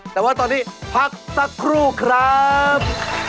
แต่ว่าตอนนี้พักสักครู่ครับ